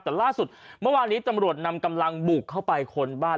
แต่ล่าสุดเมื่อวานนี้ตำรวจนำกำลังบุกเข้าไปค้นบ้าน